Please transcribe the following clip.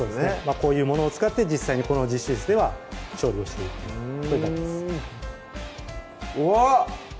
こういうものを使って実際にこの実習室では調理をしていくことになりますふんうわっ！